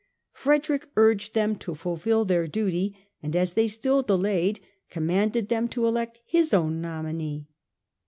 Frederick urged them to fulfil their duty and, as they still delayed, commanded them to elect his own nominee.